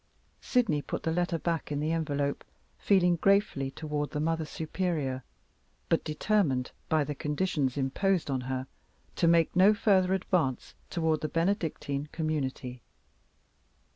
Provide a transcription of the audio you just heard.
Sydney put the letter back in the envelope, feeling gratefully toward the Mother Superior, but determined by the conditions imposed on her to make no further advance toward the Benedictine community.